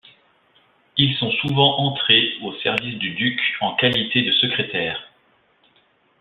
Ils sont souvent entrés au service du duc en qualité de secrétaires.